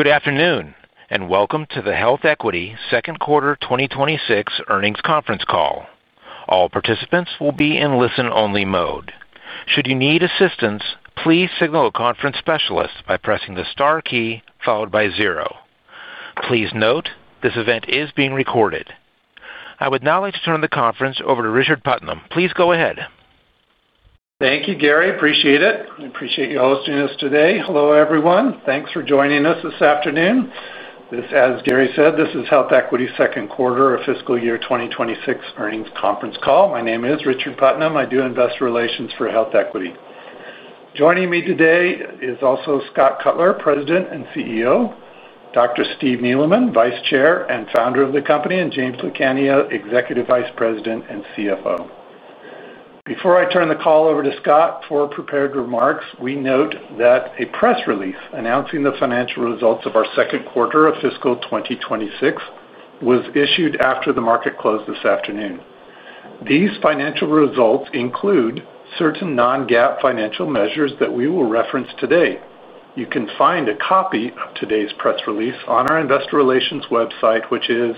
Good afternoon and welcome to the HealthEquity Second Quarter 2026 Earnings Conference Call. All participants will be in listen-only mode. Should you need assistance, please signal a conference specialist by pressing the star key followed by zero. Please note this event is being recorded. I would now like to turn the conference over to Richard Putnam. Please go ahead. Thank you, Gary. Appreciate it. I appreciate you all listening to us today. Hello everyone. Thanks for joining us this afternoon. As Gary said, this is HealthEquity Second Quarter of Fiscal Year 2026 Earnings Conference Call. My name is Richard Putnam. I do investor relations for HealthEquity. Joining me today is also Scott Cutler, President and CEO, Dr. Steve Neeleman, Vice Chair and Founder of the company, and James Lucania, Executive Vice President and CFO. Before I turn the call over to Scott for prepared remarks, we note that a press release announcing the financial results of our second quarter of fiscal 2026 was issued after the market closed this afternoon. These financial results include certain non-GAAP financial measures that we will reference today. You can find a copy of today's press release on our investor relations website, which is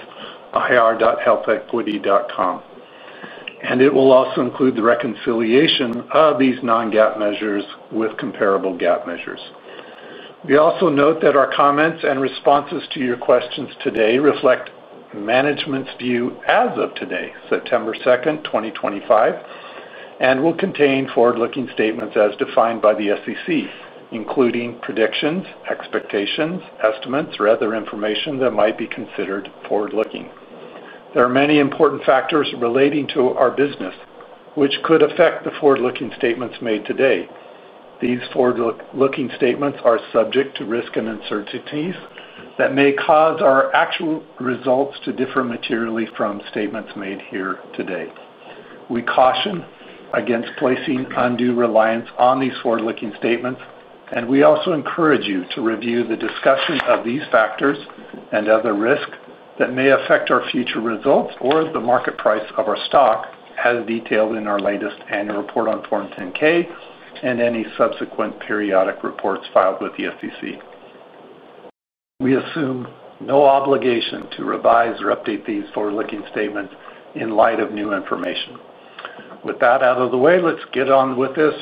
ir.healthequity.com. It will also include the reconciliation of these non-GAAP measures with comparable GAAP measures. We also note that our comments and responses to your questions today reflect management's view as of today, September 2nd, 2025, and will contain forward-looking statements as defined by the SEC, including predictions, expectations, estimates, or other information that might be considered forward-looking. There are many important factors relating to our business which could affect the forward-looking statements made today. These forward-looking statements are subject to risk and uncertainties that may cause our actual results to differ materially from statements made here today. We caution against placing undue reliance on these forward-looking statements, and we also encourage you to review the discussion of these factors and other risks that may affect our future results or the market price of our stock, as detailed in our latest annual report on Form 10-K and any subsequent periodic reports filed with the SEC. We assume no obligation to revise or update these forward-looking statements in light of new information. With that out of the way, let's get on with this.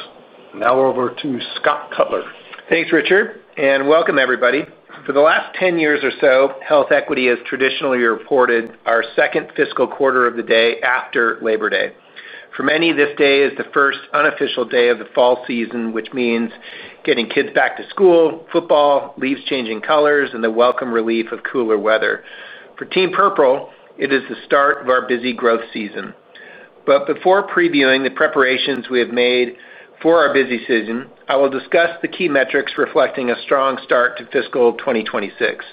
Now over to Scott Cutler. Thanks, Richard, and welcome everybody. For the last 10 years or so, HealthEquity has traditionally reported our second fiscal quarter the day after Labor Day. For many, this day is the first unofficial day of the fall season, which means getting kids back to school, football, leaves changing colors, and the welcome relief of cooler weather. For Team Purple, it is the start of our busy growth season. Before previewing the preparations we have made for our busy season, I will discuss the key metrics reflecting a strong start to fiscal 2026.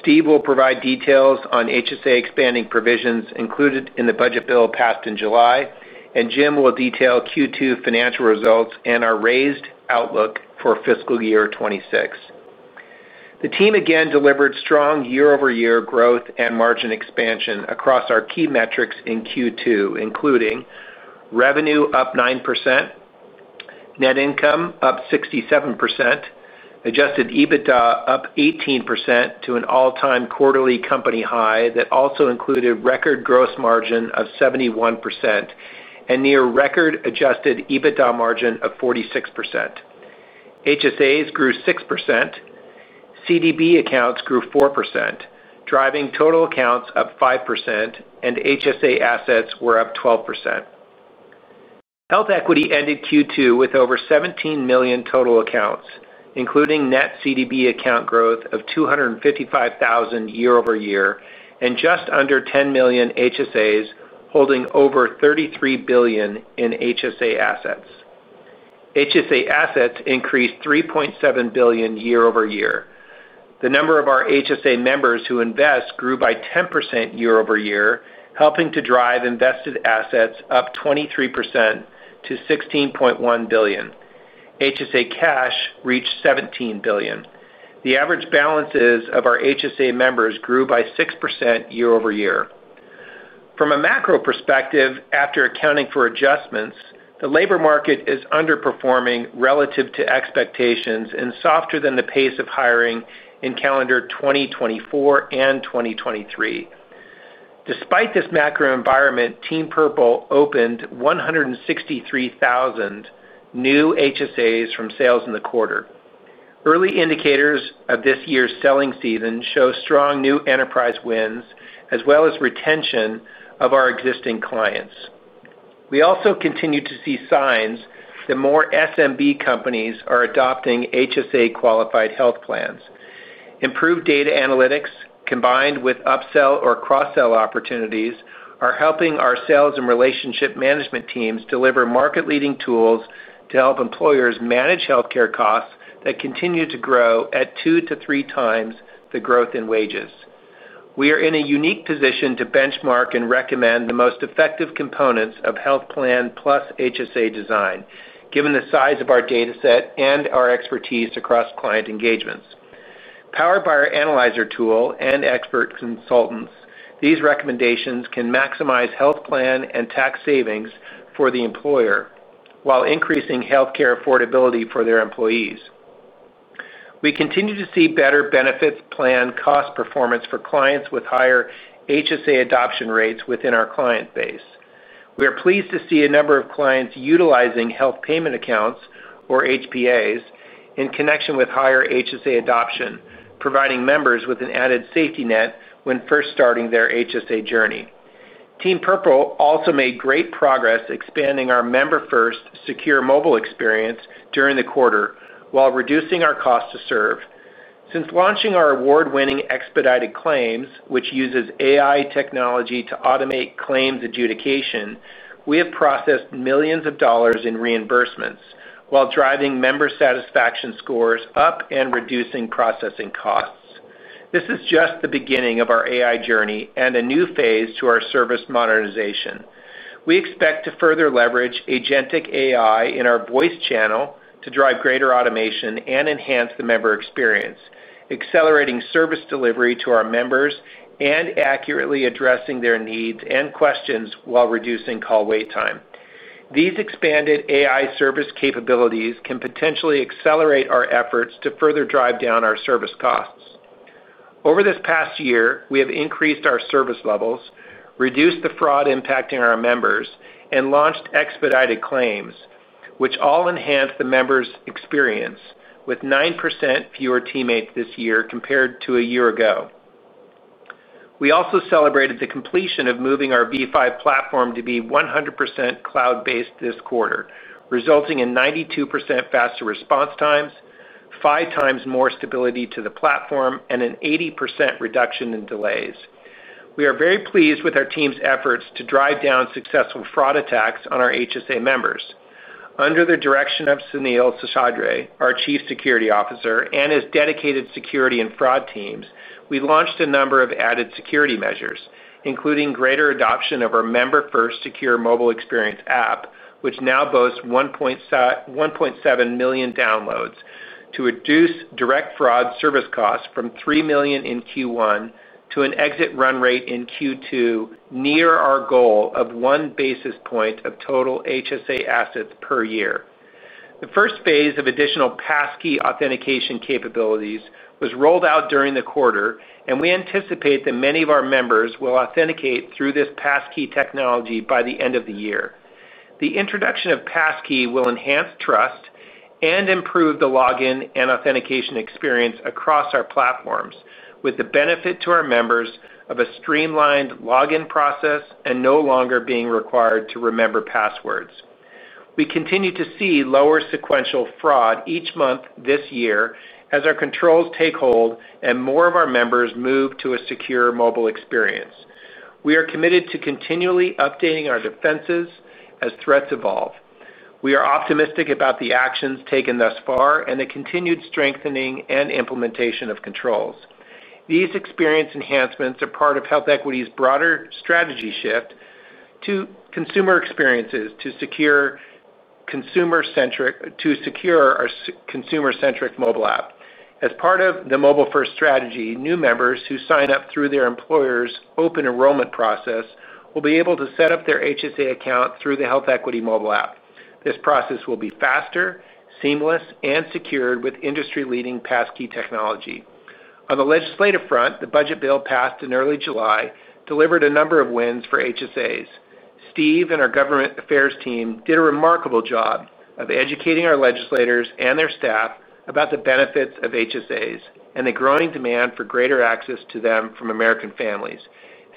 Steve will provide details on HSA expanding provisions included in the budget bill passed in July, and Jim will detail Q2 financial results and our raised outlook for fiscal year 2026. The team again delivered strong year-over-year growth and margin expansion across our key metrics in Q2, including revenue up 9%, net income up 67%, adjusted EBITDA up 18% to an all-time quarterly company high that also included a record gross margin of 71% and near a record adjusted EBITDA margin of 46%. HSAs grew 6%, CDB accounts grew 4%, driving total accounts up 5%, and HSA assets were up 12%. HealthEquity ended Q2 with over 17 million total accounts, including net CDB account growth of 255,000 year-over-year and just under 10 million HSAs, holding over $33 billion in HSA assets. HSA assets increased $3.7 billion year-over-year. The number of our HSA members who invest grew by 10% year-over-year, helping to drive invested assets up 23% to $16.1 billion. HSA cash reached $17 billion. The average balances of our HSA members grew by 6% year-over-year. From a macro perspective, after accounting for adjustments, the labor market is underperforming relative to expectations and softer than the pace of hiring in calendar 2024 and 2023. Despite this macro environment, Team Purple opened 163,000 new HSAs from sales in the quarter. Early indicators of this year's selling season show strong new enterprise wins as well as retention of our existing clients. We also continue to see signs that more SMB companies are adopting HSA-qualified health plans. Improved data analytics, combined with upsell or cross-sell opportunities, are helping our sales and relationship management teams deliver market-leading tools to help employers manage healthcare costs that continue to grow at two to three times the growth in wages. We are in a unique position to benchmark and recommend the most effective components of health plan plus HSA design, given the size of our data set and our expertise across client engagements. Powered by our analyzer tool and expert consultants, these recommendations can maximize health plan and tax savings for the employer while increasing healthcare affordability for their employees. We continue to see better benefits plan cost performance for clients with higher HSA adoption rates within our client base. We are pleased to see a number of clients utilizing Health Payment Accounts, or HPAs, in connection with higher HSA adoption, providing members with an added safety net when first starting their HSA journey. Team Purple also made great progress expanding our member-first secure mobile experience during the quarter while reducing our cost to serve. Since launching our award-winning expedited claims, which uses AI technology to automate claims adjudication, we have processed millions of dollars in reimbursements while driving member satisfaction scores up and reducing processing costs. This is just the beginning of our AI journey and a new phase to our service modernization. We expect to further leverage Agentic AI in our voice channel to drive greater automation and enhance the member experience, accelerating service delivery to our members and accurately addressing their needs and questions while reducing call wait time. These expanded AI service capabilities can potentially accelerate our efforts to further drive down our service costs. Over this past year, we have increased our service levels, reduced the fraud impacting our members, and launched expedited claims, which all enhance the members' experience with 9% fewer teammates this year compared to a year ago. We also celebrated the completion of moving our V5 platform to be 100% cloud-based this quarter, resulting in 92% faster response times, five times more stability to the platform, and an 80% reduction in delays. We are very pleased with our team's efforts to drive down successful fraud attacks on our HSA members. Under the direction of Sunil Seshadri, our Chief Security Officer, and his dedicated security and fraud teams, we launched a number of added security measures, including greater adoption of our member-first secure mobile experience app, which now boasts 1.7 million downloads, to reduce direct fraud service costs from $3 million in Q1 to an exit run rate in Q2 near our goal of one basis point of total HSA assets per year. The first phase of additional passkey authentication capabilities was rolled out during the quarter, and we anticipate that many of our members will authenticate through this passkey technology by the end of the year. The introduction of passkey will enhance trust and improve the login and authentication experience across our platforms, with the benefit to our members of a streamlined login process and no longer being required to remember passwords. We continue to see lower sequential fraud each month this year as our controls take hold and more of our members move to a secure mobile experience. We are committed to continually updating our defenses as threats evolve. We are optimistic about the actions taken thus far and the continued strengthening and implementation of controls. These experience enhancements are part of HealthEquity's broader strategy shift to consumer experiences to secure our consumer-centric mobile app. As part of the mobile-first strategy, new members who sign up through their employer's open enrollment process will be able to set up their HSA account through the HealthEquity mobile app. This process will be faster, seamless, and secured with industry-leading passkey technology. On the legislative front, the budget bill passed in early July delivered a number of wins for HSAs. Steve and our government affairs team did a remarkable job of educating our legislators and their staff about the benefits of HSAs and the growing demand for greater access to them from American families.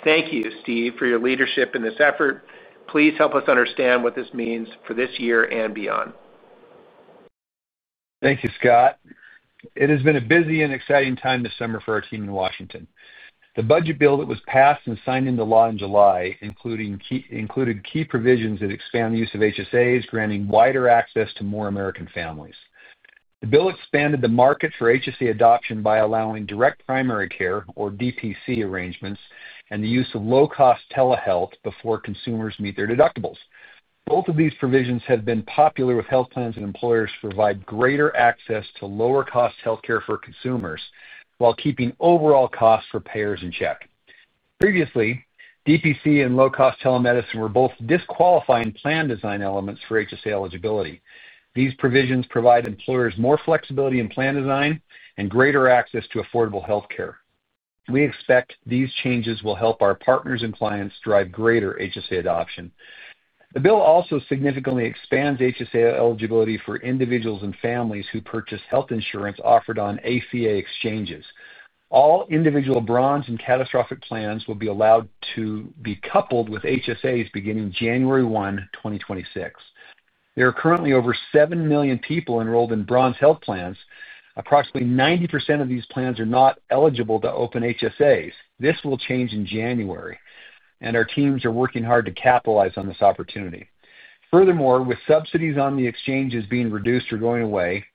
Thank you, Steve, for your leadership in this effort. Please help us understand what this means for this year and beyond. Thank you, Scott. It has been a busy and exciting time this summer for our team in Washington. The budget bill that was passed and signed into law in July included key provisions that expand the use of HSAs, granting wider access to more American families. The bill expanded the market for HSA adoption by allowing direct primary care, or DPC, arrangements and the use of low-cost telehealth before consumers meet their deductibles. Both of these provisions have been popular with health plans and employers to provide greater access to lower-cost healthcare for consumers while keeping overall costs for payers in check. Previously, DPC and low-cost telemedicine were both disqualifying plan design elements for HSA eligibility. These provisions provide employers more flexibility in plan design and greater access to affordable healthcare. We expect these changes will help our partners and clients drive greater HSA adoption. The bill also significantly expands HSA eligibility for individuals and families who purchase health insurance offered on ACA exchanges. All individual bronze and catastrophic plans will be allowed to be coupled with HSAs beginning January 1, 2026. There are currently over 7 million people enrolled in bronze health plans. Approximately 90% of these plans are not eligible to open HSAs. This will change in January, and our teams are working hard to capitalize on this opportunity. Furthermore, with subsidies on the exchanges being reduced or going away,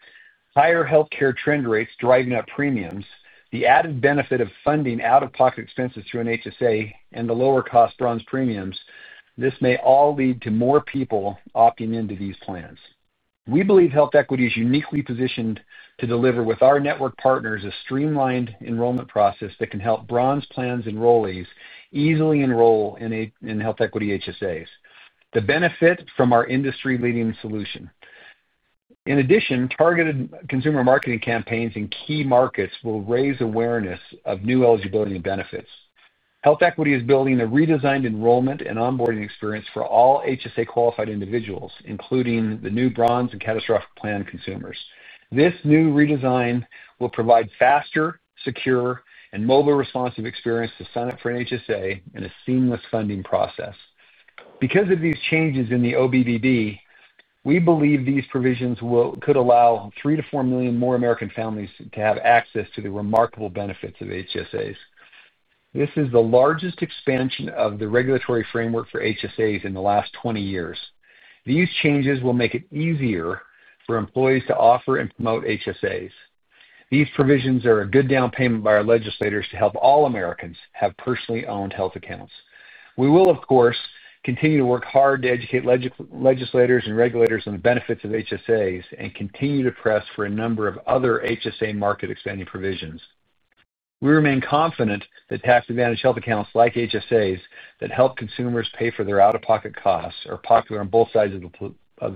higher healthcare trend rates driving up premiums, the added benefit of funding out-of-pocket expenses through an HSA, and the lower cost bronze premiums, this may all lead to more people opting into these plans. We believe HealthEquity is uniquely positioned to deliver with our network partners a streamlined enrollment process that can help bronze plans enrollees easily enroll in HealthEquity HSAs. The benefit from our industry-leading solution. In addition, targeted consumer marketing campaigns in key markets will raise awareness of new eligibility and benefits. HealthEquity is building a redesigned enrollment and onboarding experience for all HSA-qualified individuals, including the new bronze and catastrophic plan consumers. This new redesign will provide faster, secure, and mobile-responsive experience to sign up for an HSA and a seamless funding process. Because of these changes in the OBBB, we believe these provisions could allow 3 to 4 million more American families to have access to the remarkable benefits of HSAs. This is the largest expansion of the regulatory framework for HSAs in the last 20 years. These changes will make it easier for employers to offer and promote HSAs. These provisions are a good down payment by our legislators to help all Americans have personally owned health accounts. We will, of course, continue to work hard to educate legislators and regulators on the benefits of HSAs and continue to press for a number of other HSA market expanding provisions. We remain confident that tax-advantaged health accounts like HSAs that help consumers pay for their out-of-pocket costs are popular on both sides of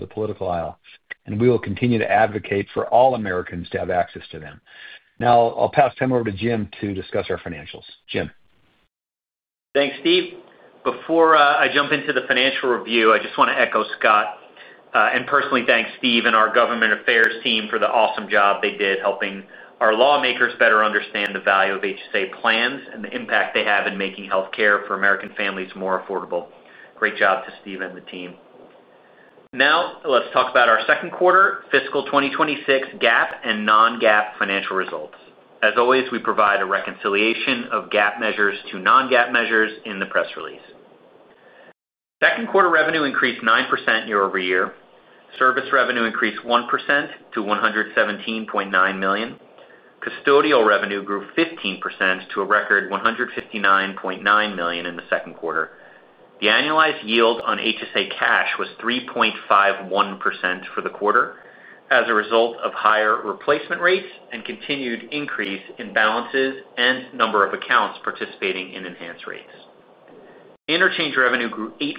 the political aisle, and we will continue to advocate for all Americans to have access to them. Now I'll pass time over to Jim to discuss our financials. Jim. Thanks, Steve. Before I jump into the financial review, I just want to echo Scott and personally thank Steve and our government affairs team for the awesome job they did helping our lawmakers better understand the value of HSA plans and the impact they have in making healthcare for American families more affordable. Great job to Steve and the team. Now let's talk about our second quarter, fiscal 2026 GAAP and non-GAAP financial results. As always, we provide a reconciliation of GAAP measures to non-GAAP measures in the press release. Second quarter revenue increased 9% year-over-year. Service revenue increased 1% to $117.9 million. Custodial revenue grew 15% to a record $159.9 million in the second quarter. The annualized yield on HSA cash was 3.51% for the quarter as a result of higher replacement rates and continued increase in balances and number of accounts participating in enhanced rates. Interchange revenue grew 8%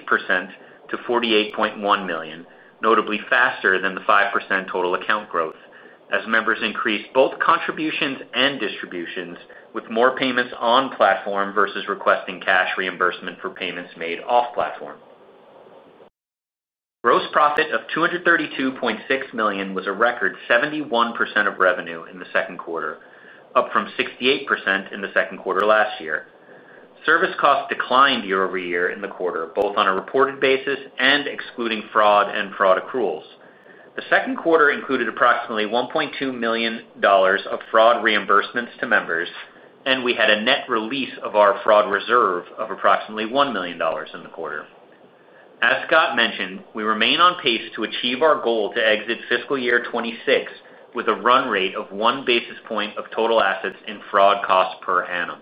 to $48.1 million, notably faster than the 5% total account growth as members increased both contributions and distributions with more payments on platform versus requesting cash reimbursement for payments made off platform. Gross profit of $232.6 million was a record 71% of revenue in the second quarter, up from 68% in the second quarter last year. Service costs declined year-over-year in the quarter, both on a reported basis and excluding fraud and fraud accruals. The second quarter included approximately $1.2 million of fraud reimbursements to members, and we had a net release of our fraud reserve of approximately $1 million in the quarter. As Scott mentioned, we remain on pace to achieve our goal to exit fiscal year 2026 with a run rate of one basis point of total assets in fraud cost per annum.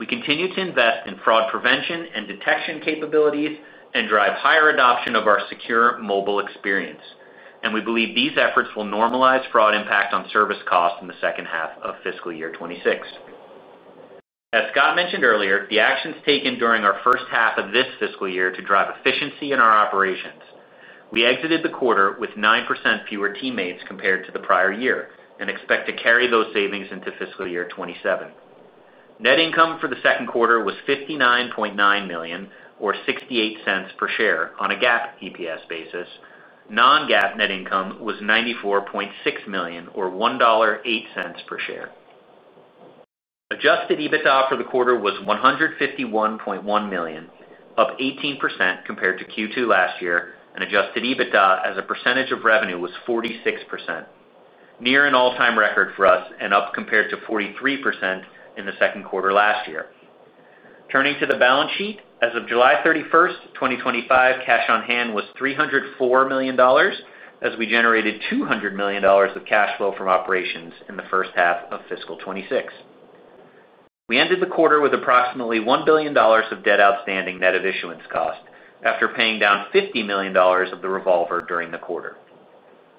We continue to invest in fraud prevention and detection capabilities and drive higher adoption of our secure mobile experience, and we believe these efforts will normalize fraud impact on service cost in the second half of fiscal year 2026. As Scott mentioned earlier, the actions taken during our first half of this fiscal year to drive efficiency in our operations. We exited the quarter with 9% fewer teammates compared to the prior year and expect to carry those savings into fiscal year 2027. Net income for the second quarter was $59.9 million or $0.68 per share on a GAAP EPS basis. Non-GAAP net income was $94.6 million or $1.08 per share. Adjusted EBITDA for the quarter was $151.1 million, up 18% compared to Q2 last year, and adjusted EBITDA as a percentage of revenue was 46%, near an all-time record for us and up compared to 43% in the second quarter last year. Turning to the balance sheet, as of July 31st, 2025, cash on hand was $304 million as we generated $200 million of cash flow from operations in the first half of fiscal 2026. We ended the quarter with approximately $1 billion of debt outstanding net of issuance cost after paying down $50 million of the revolver during the quarter.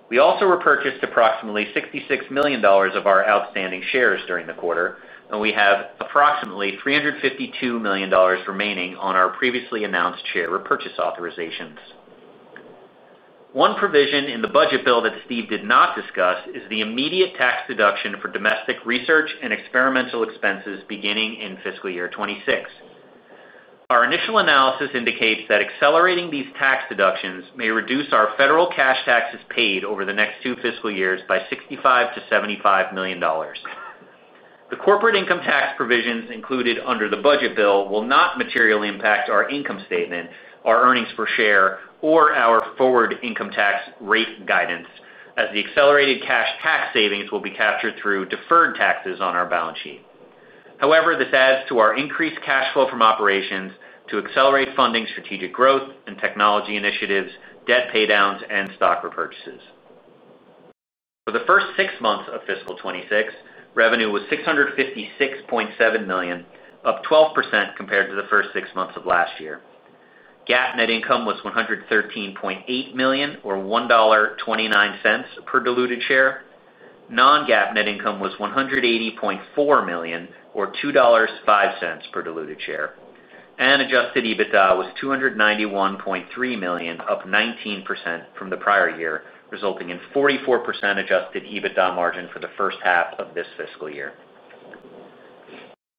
We also repurchased approximately $66 million of our outstanding shares during the quarter, and we have approximately $352 million remaining on our previously announced share repurchase authorizations. One provision in the budget bill that Steve did not discuss is the immediate tax deduction for domestic research and experimental expenses beginning in fiscal year 2026. Our initial analysis indicates that accelerating these tax deductions may reduce our federal cash taxes paid over the next two fiscal years by $65 million-$75 million. The corporate income tax provisions included under the budget bill will not materially impact our income statement, our earnings per share, or our forward income tax rate guidance, as the accelerated cash tax savings will be captured through deferred taxes on our balance sheet. However, this adds to our increased cash flow from operations to accelerate funding strategic growth and technology initiatives, debt paydowns, and stock repurchases. For the first six months of fiscal 2026, revenue was $656.7 million, up 12% compared to the first six months of last year. GAAP net income was $113.8 million or $1.29 per diluted share. Non-GAAP net income was $180.4 million or $2.05 per diluted share, and adjusted EBITDA was $291.3 million, up 19% from the prior year, resulting in 44% adjusted EBITDA margin for the first half of this fiscal year.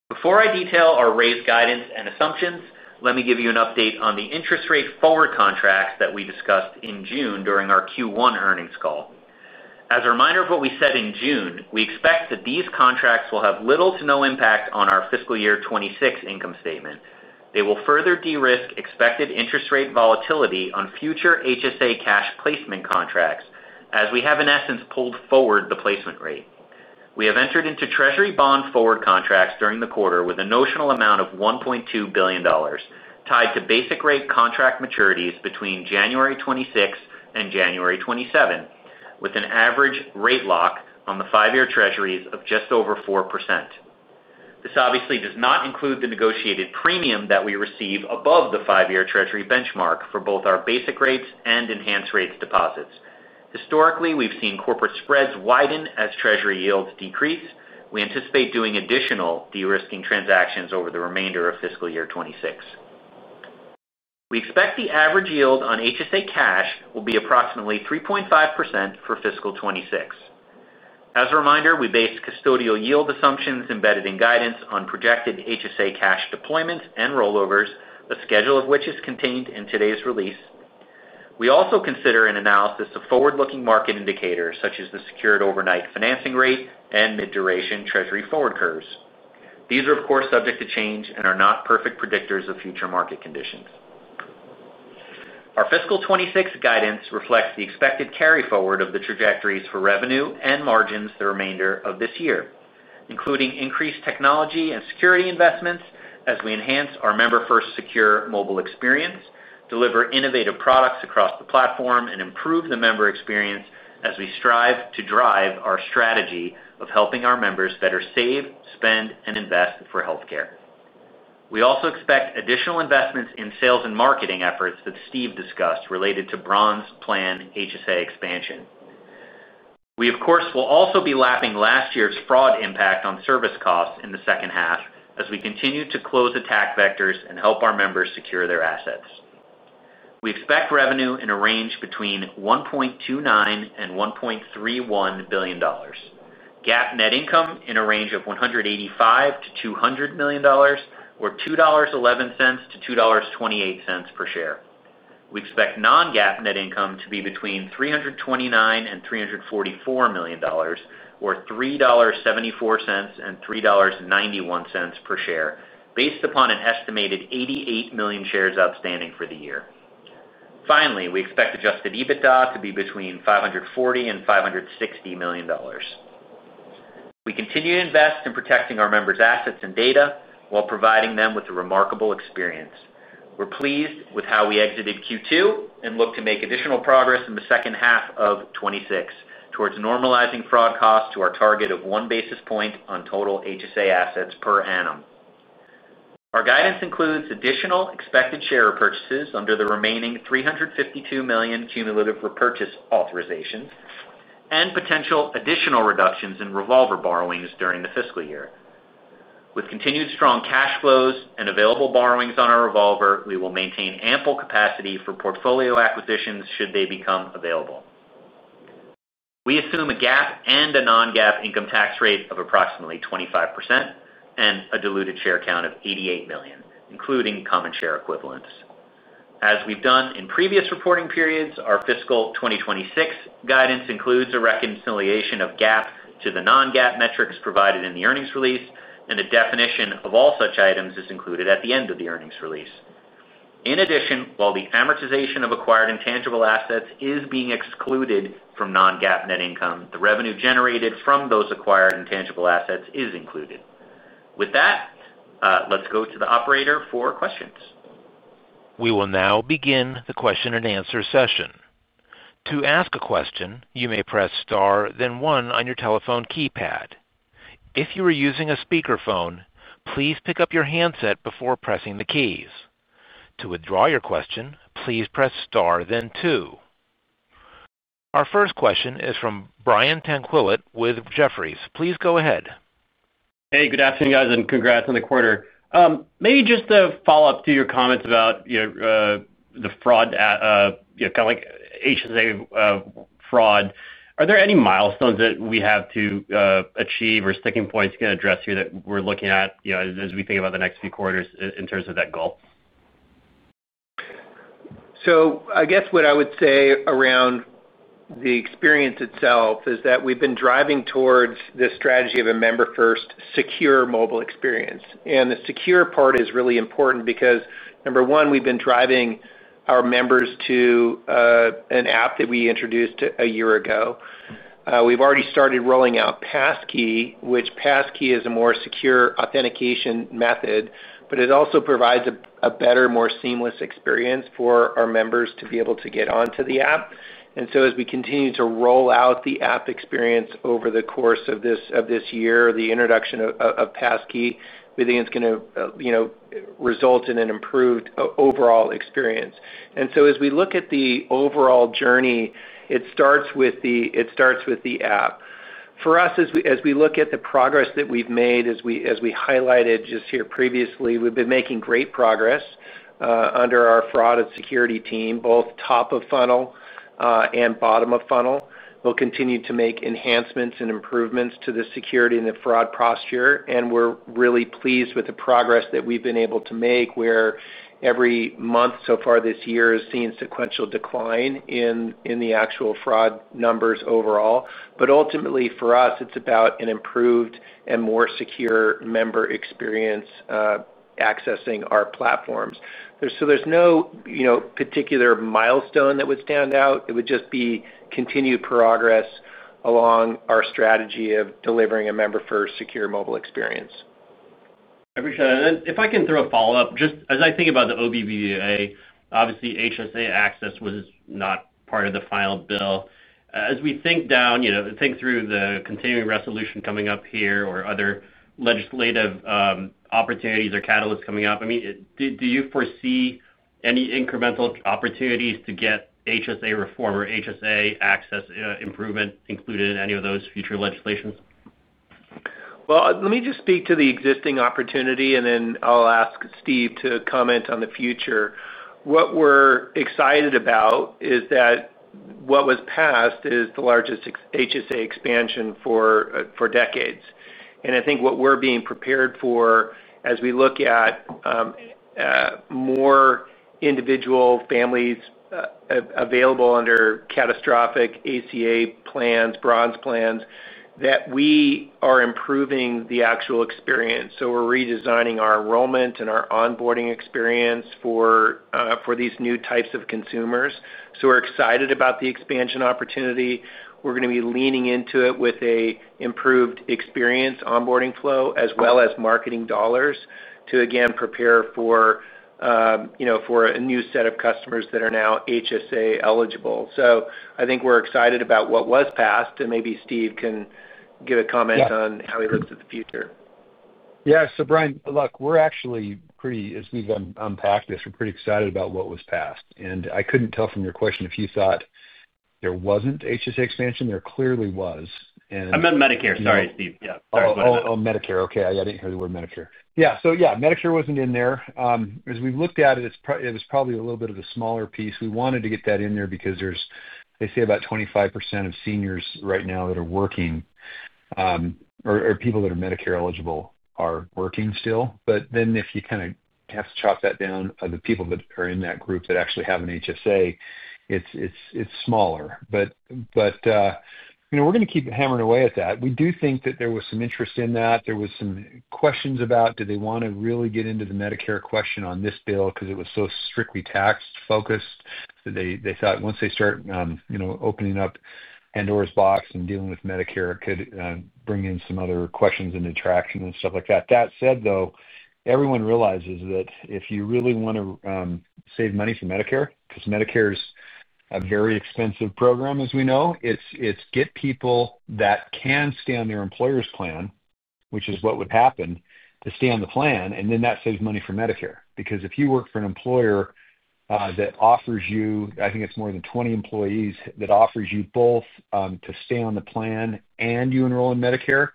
Before I detail our raised guidance and assumptions, let me give you an update on the interest rate forward contracts that we discussed in June during our Q1 earnings call. As a reminder of what we said in June, we expect that these contracts will have little to no impact on our fiscal year 2026 income statement. They will further de-risk expected interest rate volatility on future HSA cash placement contracts, as we have in essence pulled forward the placement rate. We have entered into Treasury Bond forward contracts during the quarter with a notional amount of $1.2 billion tied to basic rate contract maturities between January 2026 and January 2027, with an average rate lock on the five-year Treasuries of just over 4%. This obviously does not include the negotiated premium that we receive above the five-year Treasury benchmark for both our basic rates and enhanced rates deposits. Historically, we've seen corporate spreads widen as Treasury yields decrease. We anticipate doing additional de-risking transactions over the remainder of fiscal year 2026. We expect the average yield on HSA cash will be approximately 3.5% for fiscal 2026. As a reminder, we base custodial yield assumptions embedded in guidance on projected HSA cash deployments and rollovers, a schedule of which is contained in today's release. We also consider an analysis of forward-looking market indicators such as the secured overnight financing rate and mid-duration Treasury forward curves. These are, of course, subject to change and are not perfect predictors of future market conditions. Our fiscal 2026 guidance reflects the expected carry forward of the trajectories for revenue and margins the remainder of this year, including increased technology and security investments as we enhance our member-first secure mobile experience, deliver innovative products across the platform, and improve the member experience as we strive to drive our strategy of helping our members better save, spend, and invest for healthcare. We also expect additional investments in sales and marketing efforts that Steve discussed related to bronze plan HSA expansion. We, of course, will also be lapping last year's fraud impact on service costs in the second half as we continue to close attack vectors and help our members secure their assets. We expect revenue in a range between $1.29 billion and $1.31 billion. GAAP net income in a range of $185 million-$200 million or $2.11-$2.28 per share. We expect non-GAAP net income to be between $329 million and $344 million or $3.74-$3.91 per share, based upon an estimated 88 million shares outstanding for the year. Finally, we expect adjusted EBITDA to be between $540 million and $560 million. We continue to invest in protecting our members' assets and data while providing them with a remarkable experience. We're pleased with how we exited Q2 and look to make additional progress in the second half of 2026 towards normalizing fraud costs to our target of one basis point on total HSA assets per annum. Our guidance includes additional expected share repurchases under the remaining $352 million cumulative repurchase authorizations and potential additional reductions in revolver borrowings during the fiscal year. With continued strong cash flows and available borrowings on our revolver, we will maintain ample capacity for portfolio acquisitions should they become available. We assume a GAAP and a non-GAAP income tax rate of approximately 25% and a diluted share count of 88 million, including common share equivalents. As we've done in previous reporting periods, our fiscal 2026 guidance includes a reconciliation of GAAP to the non-GAAP metrics provided in the earnings release, and a definition of all such items is included at the end of the earnings release. In addition, while the amortization of acquired intangible assets is being excluded from non-GAAP net income, the revenue generated from those acquired intangible assets is included. With that, let's go to the operator for questions. We will now begin the question and answer session. To ask a question, you may press star, then one on your telephone keypad. If you are using a speakerphone, please pick up your handset before pressing the keys. To withdraw your question, please press star, then two. Our first question is from Brian Tanquilut with Jefferies. Please go ahead. Hey, good afternoon, guys, and congrats on the quarter. Maybe just a follow-up to your comments about the fraud, kind of like HSA fraud. Are there any milestones that we have to achieve or sticking points you can address here that we're looking at as we think about the next few quarters in terms of that gulf? I guess what I would say around the experience itself is that we've been driving towards this strategy of a member-first secure mobile experience. The secure part is really important because, number one, we've been driving our members to an app that we introduced a year ago. We've already started rolling out passkey authentication, which is a more secure authentication method, but it also provides a better, more seamless experience for our members to be able to get onto the app. As we continue to roll out the app experience over the course of this year, the introduction of passkey authentication, we think it's going to result in an improved overall experience. As we look at the overall journey, it starts with the app. For us, as we look at the progress that we've made, as we highlighted just here previously, we've been making great progress under our fraud and security team, both top of funnel and bottom of funnel. We'll continue to make enhancements and improvements to the security and the fraud posture, and we're really pleased with the progress that we've been able to make, where every month so far this year has seen sequential decline in the actual fraud numbers overall. Ultimately, for us, it's about an improved and more secure member experience accessing our platforms. There's no particular milestone that would stand out. It would just be continued progress along our strategy of delivering a member-first secure mobile experience. I appreciate that. If I can throw a follow-up, just as I think about the OBVA, obviously HSA access was not part of the final bill. As we think through the continuing resolution coming up here or other legislative opportunities or catalysts coming up, do you foresee any incremental opportunities to get HSA reform or HSA access improvement included in any of those future legislations? Let me just speak to the existing opportunity and then I'll ask Steve to comment on the future. What we're excited about is that what was passed is the largest HSA expansion for decades. I think what we're being prepared for as we look at more individual families available under catastrophic ACA plans, bronze plans, that we are improving the actual experience. We're redesigning our enrollment and our onboarding experience for these new types of consumers. We're excited about the expansion opportunity. We're going to be leaning into it with an improved experience onboarding flow, as well as marketing dollars to, again, prepare for a new set of customers that are now HSA eligible. I think we're excited about what was passed and maybe Steve can give a comment on how he looks at the future. Yeah, Brian, look, we're actually pretty, as we've unpacked this, we're pretty excited about what was passed. I couldn't tell from your question if you thought there wasn't HSA expansion. There clearly was. I meant Medicare. Sorry, Steve. Yeah, that was my question. Oh, Medicare. Okay. I didn't hear the word Medicare. Yeah, Medicare wasn't in there. As we looked at it, it was probably a little bit of a smaller piece. We wanted to get that in there because they say about 25% of seniors right now that are working, or people that are Medicare eligible are working still. If you kind of chop that down, the people that are in that group that actually have an HSA, it's smaller. We're going to keep hammering away at that. We do think that there was some interest in that. There were some questions about whether they want to really get into the Medicare question on this bill because it was so strictly tax-focused. They thought once they start opening up Pandora's box and dealing with Medicare, it could bring in some other questions and attraction and stuff like that. That said, everyone realizes that if you really want to save money for Medicare, because Medicare is a very expensive program, as we know, it's get people that can stay on their employer's plan, which is what would happen, to stay on the plan, and then that saves money for Medicare. If you work for an employer that offers you, I think it's more than 20 employees, that offers you both to stay on the plan and you enroll in Medicare,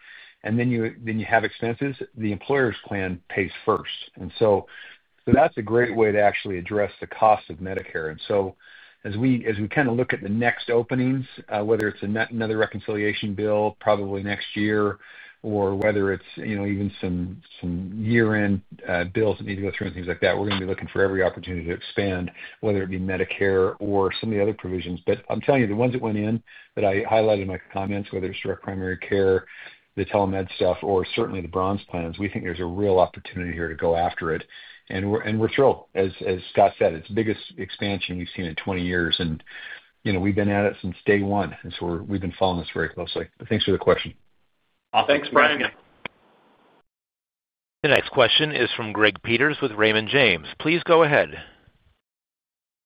and then you have expenses, the employer's plan pays first. That's a great way to actually address the cost of Medicare. As we kind of look at the next openings, whether it's another reconciliation bill probably next year, or even some year-end bills that need to go through and things like that, we're going to be looking for every opportunity to expand, whether it be Medicare or some of the other provisions. The ones that went in that I highlighted in my comments, whether it's direct primary care, the telemed stuff, or certainly the bronze plans, we think there's a real opportunity here to go after it. We're thrilled. As Scott said, it's the biggest expansion we've seen in 20 years, and we've been at it since day one. We've been following this very closely. Thanks for the question. Thanks, Brian. Thanks again. The next question is from Greg Peters with Raymond James. Please go ahead.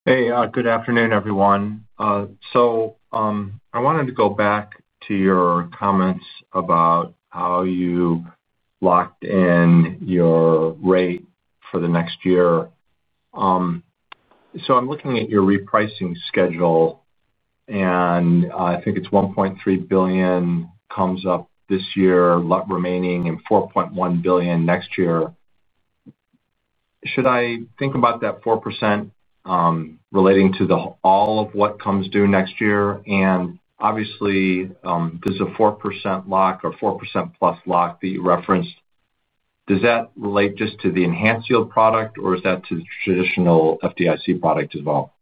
Hey, good afternoon, everyone. I wanted to go back to your comments about how you locked in your rate for the next year. I'm looking at your repricing schedule, and I think it's $1.3 billion comes up this year, remaining in $4.1 billion next year. Should I think about that 4% relating to all of what comes due next year? Does the 4% lock or 4%+ lock that you referenced relate just to the enhanced yield product, or is that to the traditional FDIC product as well?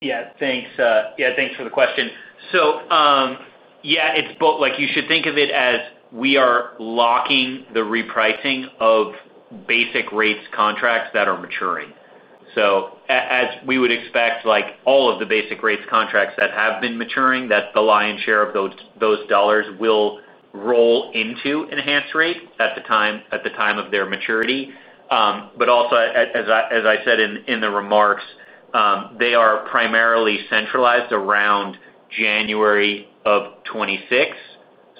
Yeah, thanks. Yeah, thanks for the question. It's both, like, you should think of it as we are locking the repricing of basic rates contracts that are maturing. As we would expect, all of the basic rates contracts that have been maturing, the lion's share of those dollars will roll into enhanced rate at the time of their maturity. As I said in the remarks, they are primarily centralized around January of 2026,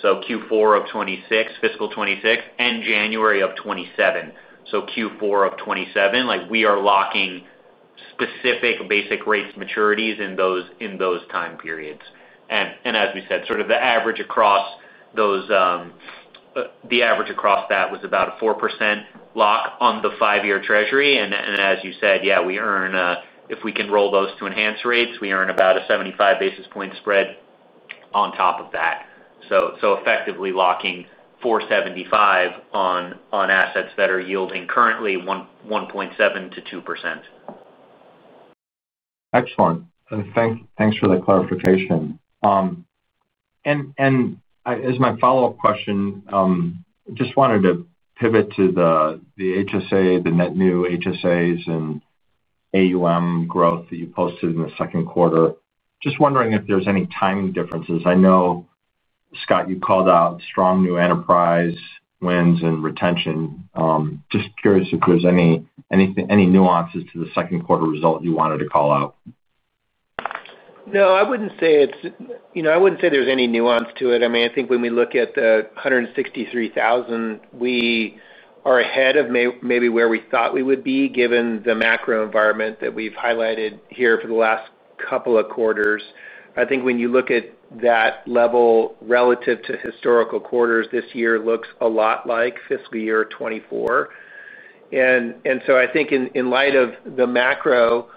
so Q4 of 2026, fiscal 2026, and January of 2027, so Q4 of 2027. We are locking specific basic rates maturities in those time periods. As we said, sort of the average across that was about a 4% lock on the five-year Treasury. As you said, we earn, if we can roll those to enhanced rates, we earn about a 75 basis point spread on top of that. Effectively locking $4.75 on assets that are yielding currently 1.7%-2%. Excellent. Thanks for that clarification. As my follow-up question, I just wanted to pivot to the HSA, the net new HSAs and AUM growth that you posted in the second quarter. Just wondering if there's any timing differences. I know, Scott, you called out strong new enterprise wins and retention. Just curious if there's any nuances to the second quarter result you wanted to call out. No, I wouldn't say it's, you know, I wouldn't say there's any nuance to it. I think when we look at the $163,000, we are ahead of maybe where we thought we would be given the macro environment that we've highlighted here for the last couple of quarters. I think when you look at that level relative to historical quarters, this year looks a lot like fiscal year 2024. I think in light of the macro,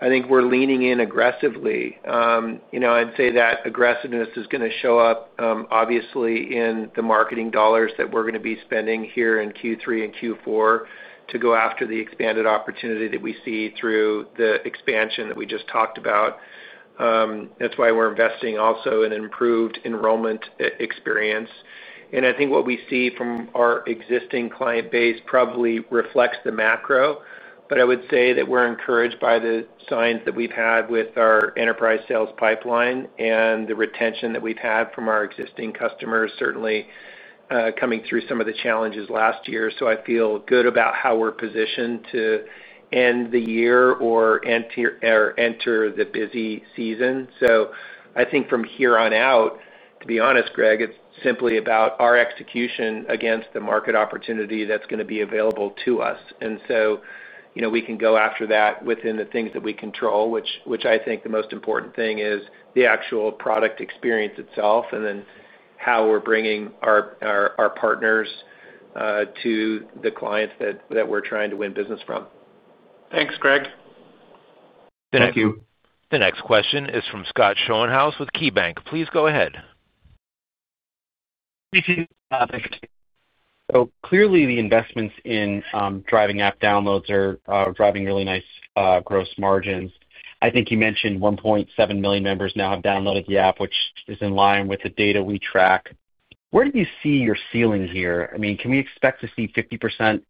we're leaning in aggressively. I'd say that aggressiveness is going to show up obviously in the marketing dollars that we're going to be spending here in Q3 and Q4 to go after the expanded opportunity that we see through the expansion that we just talked about. That's why we're investing also in an improved enrollment experience. I think what we see from our existing client base probably reflects the macro. I would say that we're encouraged by the signs that we've had with our enterprise sales pipeline and the retention that we've had from our existing customers, certainly coming through some of the challenges last year. I feel good about how we're positioned to end the year or enter the busy season. I think from here on out, to be honest, Greg, it's simply about our execution against the market opportunity that's going to be available to us. We can go after that within the things that we control, which I think the most important thing is the actual product experience itself and then how we're bringing our partners to the clients that we're trying to win business from. Thanks, Greg. Thank you. The next question is from Scott Schoenhaus with KeyBank. Please go ahead. Thank you. Clearly, the investments in driving app downloads are driving really nice gross margins. I think you mentioned 1.7 million members now have downloaded the app, which is in line with the data we track. Where do you see your ceiling here? Can we expect to see 50%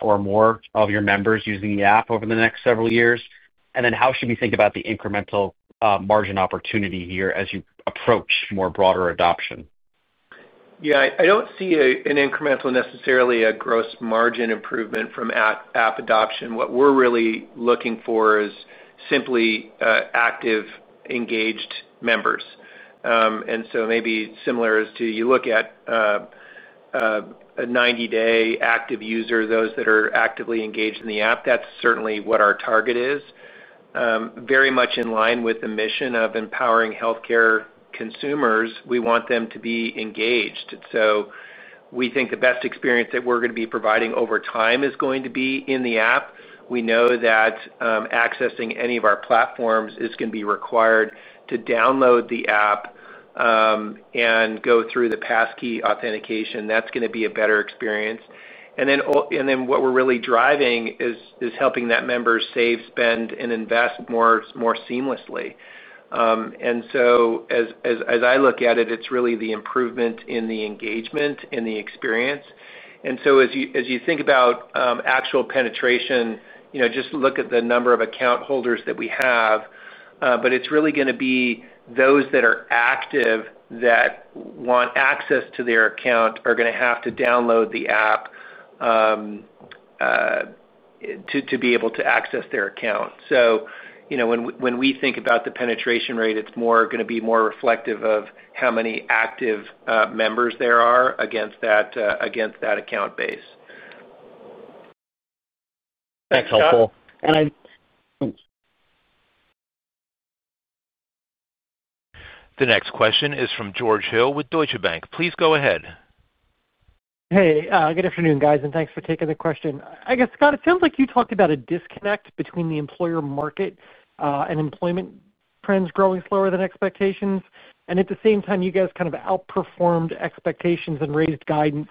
or more of your members using the app over the next several years? How should we think about the incremental margin opportunity here as you approach more broader adoption? Yeah, I don't see an incremental necessarily a gross margin improvement from app adoption. What we're really looking for is simply active, engaged members. Maybe similar as to you look at a 90-day active user, those that are actively engaged in the app, that's certainly what our target is. Very much in line with the mission of empowering healthcare consumers, we want them to be engaged. We think the best experience that we're going to be providing over time is going to be in the app. We know that accessing any of our platforms is going to be required to download the app and go through the passkey authentication. That's going to be a better experience. What we're really driving is helping that member save, spend, and invest more seamlessly. As I look at it, it's really the improvement in the engagement and the experience. As you think about actual penetration, just look at the number of account holders that we have, but it's really going to be those that are active that want access to their account are going to have to download the app to be able to access their account. When we think about the penetration rate, it's more going to be more reflective of how many active members there are against that account base. That's helpful. I think. The next question is from George Hill with Deutsche Bank. Please go ahead. Hey, good afternoon, guys, and thanks for taking the question. I guess, Scott, it sounds like you talked about a disconnect between the employer market and employment trends growing slower than expectations. At the same time, you guys kind of outperformed expectations and raised guidance.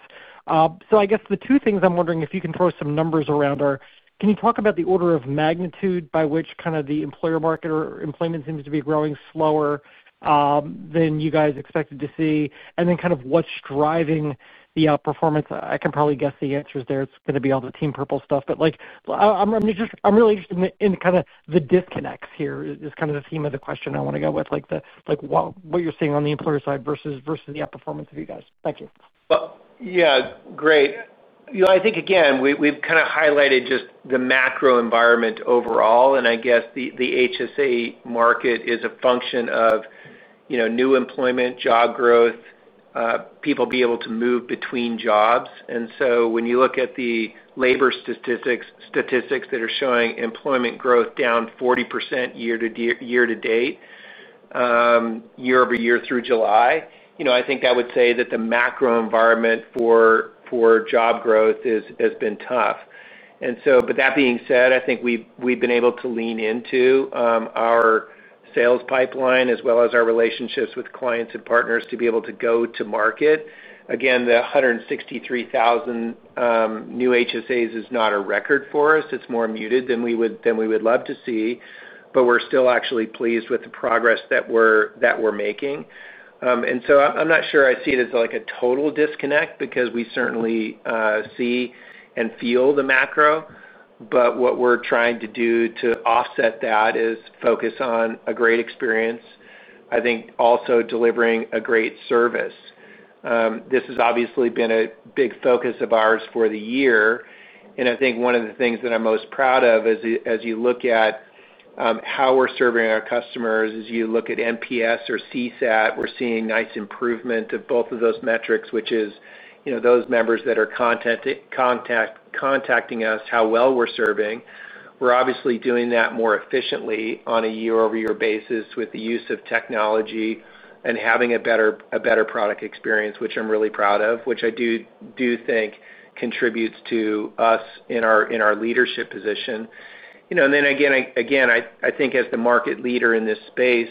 I guess the two things I'm wondering if you can throw some numbers around are, can you talk about the order of magnitude by which kind of the employer market or employment seems to be growing slower than you guys expected to see? What's driving the outperformance? I can probably guess the answers there. It's going to be all the Team Purple stuff. I'm really interested in kind of the disconnects here, which is kind of the theme of the question I want to go with, like what you're seeing on the employer side versus the outperformance of you guys. Thank you. Yeah, great. I think again, we've kind of highlighted just the macro environment overall. I guess the HSA market is a function of new employment, job growth, people being able to move between jobs. When you look at the labor statistics that are showing employment growth down 40% year to date, year-over-year through July, I think that would say that the macro environment for job growth has been tough. That being said, I think we've been able to lean into our sales pipeline as well as our relationships with clients and partners to be able to go to market. The 163,000 new HSAs is not a record for us. It's more muted than we would love to see, but we're still actually pleased with the progress that we're making. I'm not sure I see it as like a total disconnect because we certainly see and feel the macro. What we're trying to do to offset that is focus on a great experience. I think also delivering a great service. This has obviously been a big focus of ours for the year. I think one of the things that I'm most proud of is as you look at how we're serving our customers, as you look at NPS or CSAT, we're seeing nice improvement of both of those metrics, which is those members that are contacting us, how well we're serving. We're obviously doing that more efficiently on a year-over-year basis with the use of technology and having a better product experience, which I'm really proud of, which I do think contributes to us in our leadership position. I think as the market leader in this space,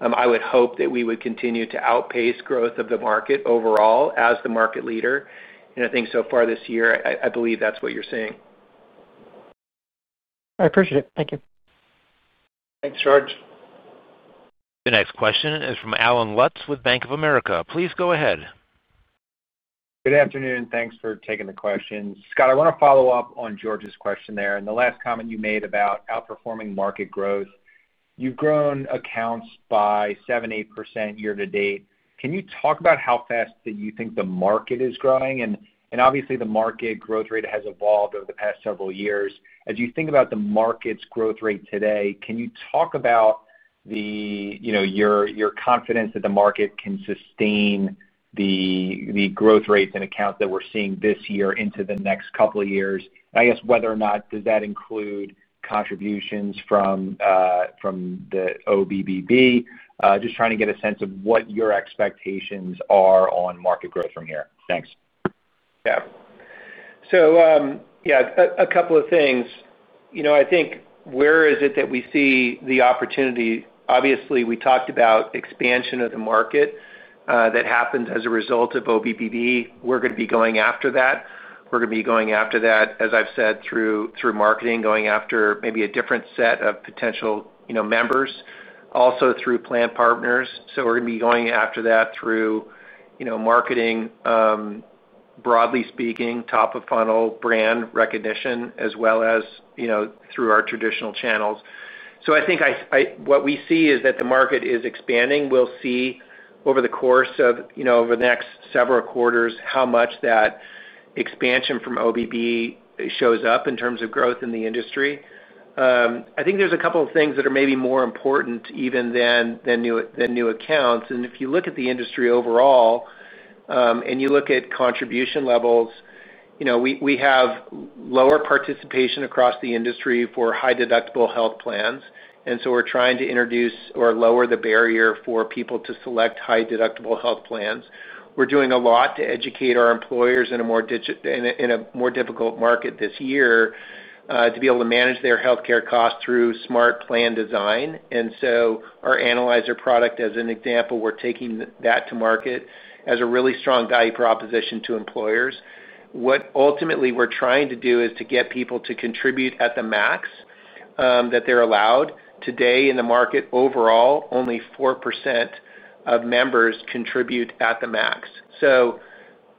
I would hope that we would continue to outpace growth of the market overall as the market leader. I think so far this year, I believe that's what you're seeing. I appreciate it. Thank you. Thanks, George. The next question is from Allen Lutz with Bank of America. Please go ahead. Good afternoon. Thanks for taking the question. Scott, I want to follow up on George's question there. The last comment you made about outperforming market growth, you've grown accounts by 7%, 8% year to date. Can you talk about how fast you think the market is growing? Obviously, the market growth rate has evolved over the past several years. As you think about the market's growth rate today, can you talk about your confidence that the market can sustain the growth rates and accounts that we're seeing this year into the next couple of years? I guess whether or not that includes contributions from the OBBB. Just trying to get a sense of what your expectations are on market growth from here. Thanks. Yeah, a couple of things. I think where is it that we see the opportunity? Obviously, we talked about expansion of the market that happened as a result of OBBB. We're going to be going after that. We're going to be going after that, as I've said, through marketing, going after maybe a different set of potential members, also through planned partners. We're going to be going after that through marketing, broadly speaking, top-of-funnel brand recognition, as well as through our traditional channels. I think what we see is that the market is expanding. We'll see over the course of the next several quarters how much that expansion from OBBB shows up in terms of growth in the industry. I think there's a couple of things that are maybe more important even than new accounts. If you look at the industry overall and you look at contribution levels, we have lower participation across the industry for high-deductible health plans. We're trying to introduce or lower the barrier for people to select high-deductible health plans. We're doing a lot to educate our employers in a more difficult market this year to be able to manage their healthcare costs through smart plan design. Our analyzer product, as an example, we're taking that to market as a really strong value proposition to employers. What ultimately we're trying to do is to get people to contribute at the max that they're allowed. Today in the market overall, only 4% of members contribute at the max.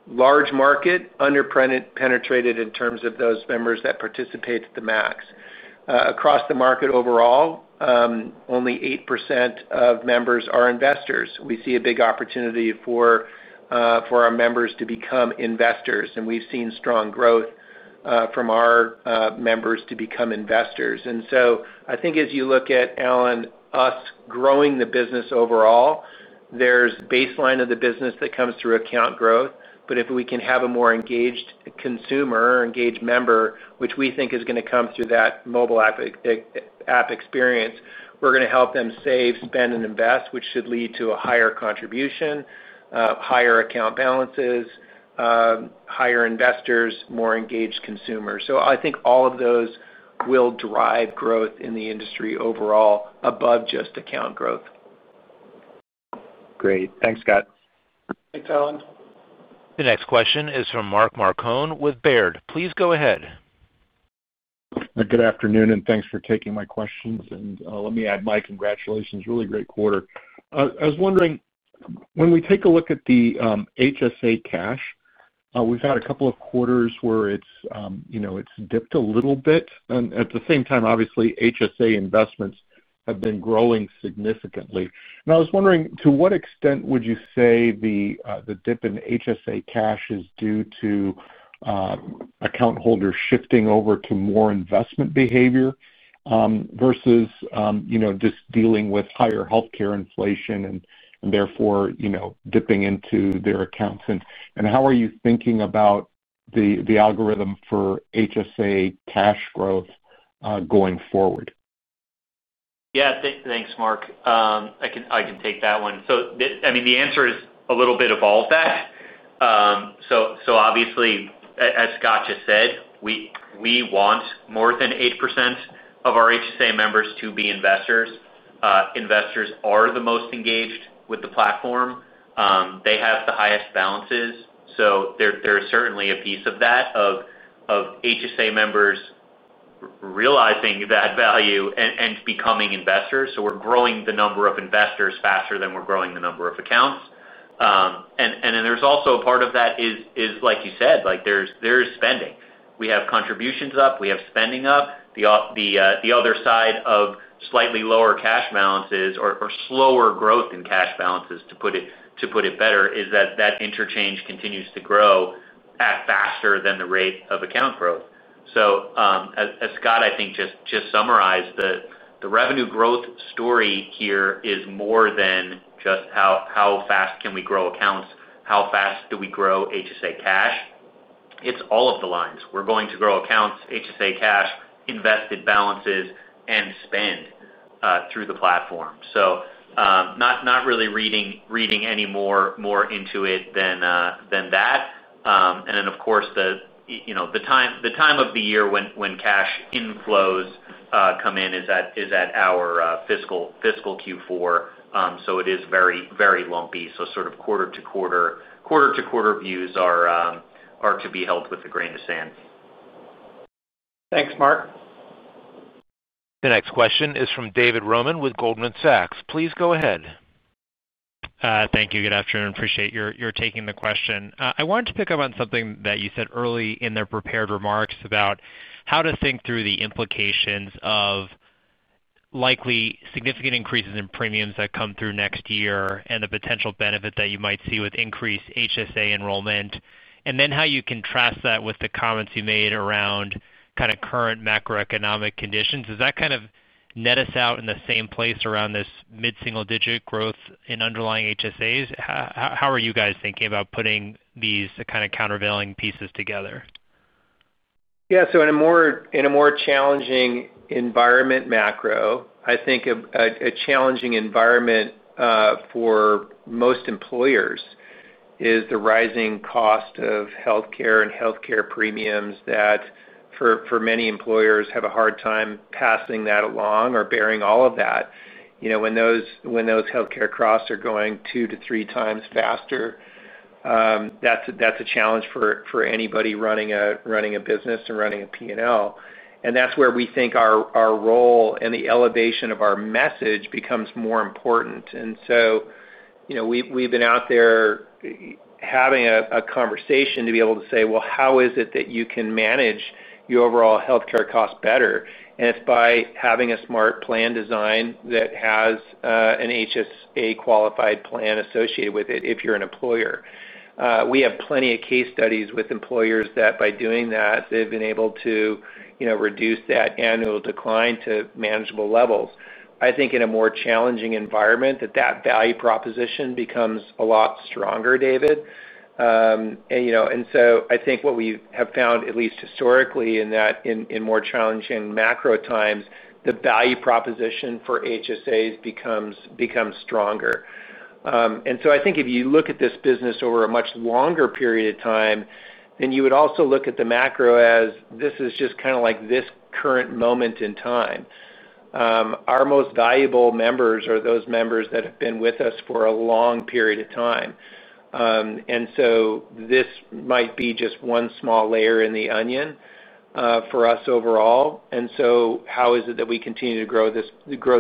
Large market underpenetrated in terms of those members that participate at the max. Across the market overall, only 8% of members are investors. We see a big opportunity for our members to become investors. We've seen strong growth from our members to become investors. I think as you look at Allen, us growing the business overall, there's baseline of the business that comes through account growth. If we can have a more engaged consumer or engaged member, which we think is going to come through that mobile app experience, we're going to help them save, spend, and invest, which should lead to a higher contribution, higher account balances, higher investors, more engaged consumers. I think all of those will drive growth in the industry overall above just account growth. Great. Thanks, Scott. Thanks, Alan. The next question is from Mark Marcon with Baird. Please go ahead. Good afternoon, and thanks for taking my questions. Let me add my congratulations. Really great quarter. I was wondering, when we take a look at the HSA cash, we've had a couple of quarters where it's, you know, dipped a little bit. At the same time, obviously, HSA investments have been growing significantly. I was wondering, to what extent would you say the dip in HSA cash is due to account holders shifting over to more investment behavior versus just dealing with higher healthcare inflation and therefore, you know, dipping into their accounts? How are you thinking about the algorithm for HSA cash growth going forward? Yeah, thanks, Mark. I can take that one. I mean, the answer is a little bit of all of that. Obviously, as Scott just said, we want more than 8% of our HSA members to be investors. Investors are the most engaged with the platform. They have the highest balances. There is certainly a piece of that, of HSA members realizing that value and becoming investors. We're growing the number of investors faster than we're growing the number of accounts. There's also a part of that, like you said, like there's spending. We have contributions up. We have spending up. The other side of slightly lower cash balances, or slower growth in cash balances, to put it better, is that that interchange continues to grow at a faster than the rate of account growth. As Scott I think just summarized, the revenue growth story here is more than just how fast can we grow accounts? How fast do we grow HSA cash? It's all of the lines. We're going to grow accounts, HSA cash, invested balances, and spend through the platform. Not really reading any more into it than that. Of course, the time of the year when cash inflows come in is at our fiscal Q4. It is very, very lumpy. Quarter to quarter views are to be held with a grain of sand. Thanks, Mark. The next question is from David Roman with Goldman Sachs. Please go ahead. Thank you. Good afternoon. Appreciate your taking the question. I wanted to pick up on something that you said early in their prepared remarks about how to think through the implications of likely significant increases in premiums that come through next year and the potential benefit that you might see with increased HSA enrollment. How do you contrast that with the comments you made around kind of current macroeconomic conditions? Does that kind of net us out in the same place around this mid-single-digit growth in underlying HSAs? How are you guys thinking about putting these kind of countervailing pieces together? In a more challenging macro environment, I think a challenging environment for most employers is the rising cost of healthcare and healthcare premiums that for many employers have a hard time passing that along or bearing all of that. When those healthcare costs are going two to three times faster, that's a challenge for anybody running a business and running a P&L. That's where we think our role and the elevation of our message becomes more important. We've been out there having a conversation to be able to say, how is it that you can manage your overall healthcare costs better? It's by having a smart plan design that has an HSA-qualified plan associated with it if you're an employer. We have plenty of case studies with employers that by doing that, they've been able to reduce that annual decline to manageable levels. I think in a more challenging environment, that value proposition becomes a lot stronger, David. What we have found, at least historically, in more challenging macro times, the value proposition for HSAs becomes stronger. If you look at this business over a much longer period of time, then you would also look at the macro as this is just kind of like this current moment in time. Our most valuable members are those members that have been with us for a long period of time. This might be just one small layer in the onion for us overall. How is it that we continue to grow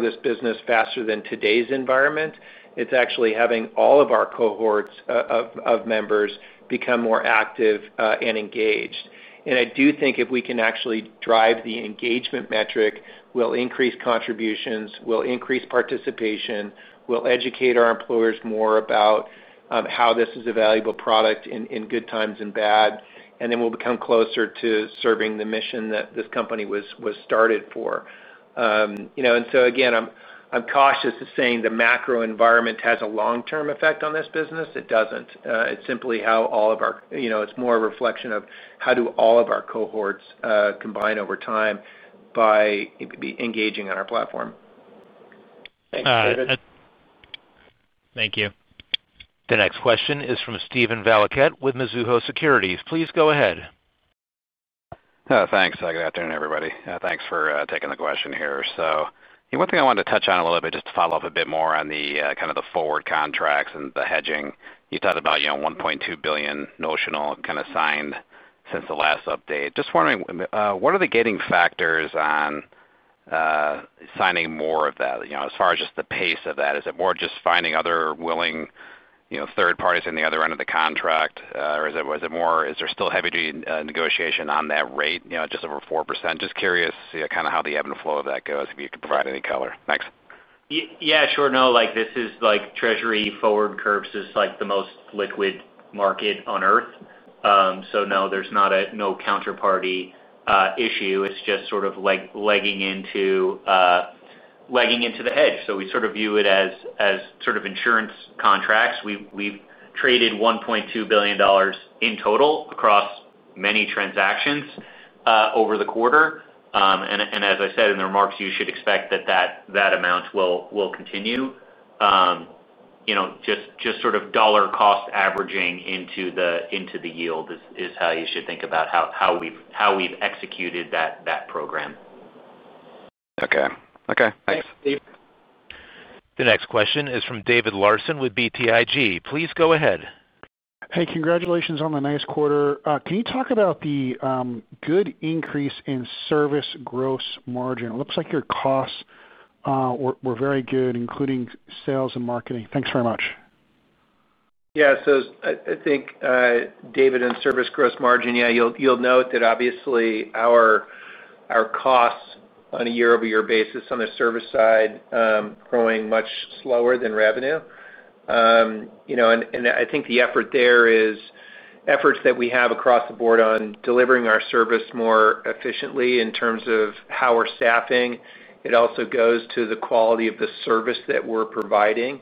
this business faster than today's environment? It's actually having all of our cohorts of members become more active and engaged. I do think if we can actually drive the engagement metric, we'll increase contributions, we'll increase participation, we'll educate our employers more about how this is a valuable product in good times and bad, and then we'll become closer to serving the mission that this company was started for. I'm cautious of saying the macro environment has a long-term effect on this business. It doesn't. It's simply more a reflection of how all of our cohorts combine over time by engaging in our platform. Thank you. The next question is from Steven Valiquette with Mizuho Securities. Please go ahead. Thanks, Doug. Good afternoon, everybody. Thanks for taking the question here. The one thing I wanted to touch on a little bit just to follow up a bit more on the forward contracts and the hedging. You talked about $1.2 billion notional kind of signed since the last update. Just wondering, what are the gating factors on signing more of that, as far as just the pace of that? Is it more just finding other willing third parties on the other end of the contract? Or is there still heavy-duty negotiation on that rate, just over 4%? Just curious how the ebb and flow of that goes, if you could provide any color. Thanks. Yeah, sure. This is like Treasury forward curves, it is the most liquid market on Earth. There is not a counterparty issue. It is just sort of like legging into the hedge. We sort of view it as insurance contracts. We have traded $1.2 billion in total across many transactions over the quarter. As I said in the remarks, you should expect that that amount will continue. Just sort of dollar cost averaging into the yield is how you should think about how we have executed that program. Okay. Thanks. The next question is from David Larsen with BTIG. Please go ahead. Hey, congratulations on the nice quarter. Can you talk about the good increase in service gross margin? It looks like your costs were very good, including sales and marketing. Thanks very much. Yeah, so I think David, on service gross margin, you'll note that obviously our costs on a year-over-year basis on the service side are growing much slower than revenue. I think the effort there is efforts that we have across the board on delivering our service more efficiently in terms of how we're staffing. It also goes to the quality of the service that we're providing.